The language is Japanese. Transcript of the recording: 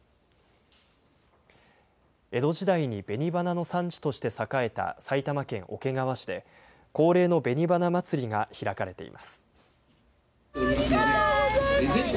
江戸時代に紅花の産地として栄えた埼玉県桶川市で、恒例のべに花まつりが開かれています。